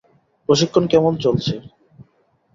প্রশিক্ষণ কেমন চলছে?